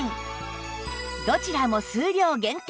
どちらも数量限定